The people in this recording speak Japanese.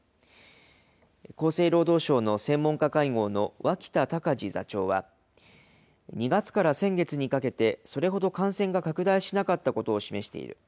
厚生労働省の専門家会合の脇田隆字座長は、２月から先月にかけて、それほど感染が拡大しなかったことを示している。